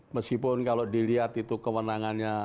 meskipun kalau dilihat itu kewenangannya